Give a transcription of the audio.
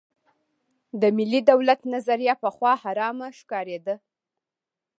د ملي دولت نظریه پخوا حرامه ښکارېده.